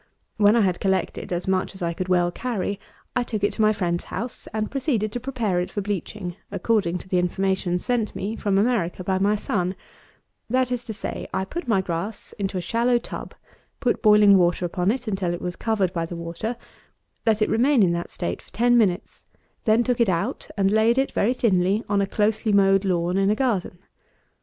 When I had collected as much as I could well carry, I took it to my friend's house, and proceeded to prepare it for bleaching, according to the information sent me from America by my son; that is to say, I put my grass into a shallow tub, put boiling water upon it until it was covered by the water, let it remain in that state for ten minutes, then took it out, and laid it very thinly on a closely mowed lawn in a garden.